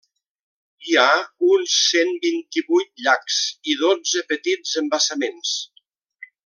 Hi ha uns cent vint-i-vuit llacs i dotze petits embassaments.